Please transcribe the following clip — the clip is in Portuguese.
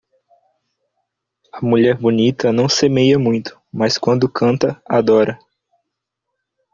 A mulher bonita não semeia muito, mas quando canta adora.